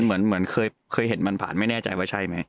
เหมือนเคยเห็นมันผ่านไม่แน่ใจว่าใช่ไหม